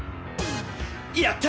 やった！